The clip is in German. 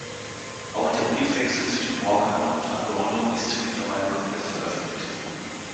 Auch der Briefwechsel zwischen Horkheimer und Adorno ist mittlerweile komplett veröffentlicht.